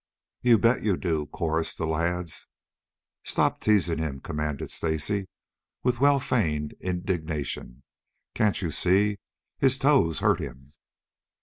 "You bet you do," chorused the lads. "Stop teasing him," commanded Stacy, with well feigned indignation. "Can't you see his toes hurt him?"